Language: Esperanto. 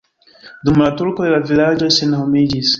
Dum la turkoj la vilaĝoj senhomiĝis.